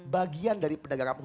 bagian dari pendagang kapal